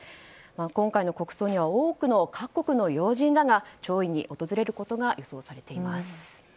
今回の国葬には多くの各国の要人らが弔意に訪れることが予想されています。